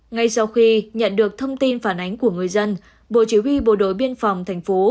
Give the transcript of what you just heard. ngay sau khi nhận được thông tin phản ánh của người dân bộ chỉ huy bộ đội biên phòng thành phố